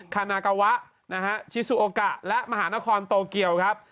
คานากาวะนะฮะชิซูโอกะและมหานครโตเกียวครับ